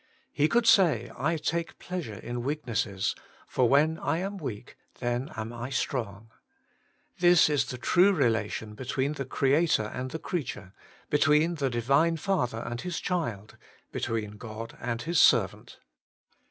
He could say :* I take pleasure in weaknesses, for when I am weak then am I strong.' This is the true relation between the Crea tor and the creature, between the Divine Father and His child, between God and His servant.